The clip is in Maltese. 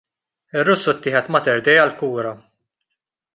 Ir-Russu ttieħed Mater Dei għall-kura.